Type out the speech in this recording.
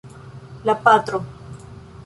La patro.